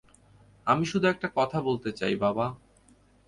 আমি শুধু একটা কথা বলতে চাই, বাবা।